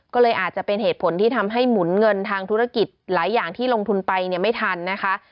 ก็เลยอาจจะเป็นเหตุผลที่ทำให้หมุนเงินทางธุรกิจหลายอย่างที่ลงทุนไปเนี่ยไม่ทันนะคะ